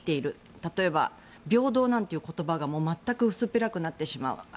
例えば、平等なんていう言葉がもう全く薄っぺらくなってしまう。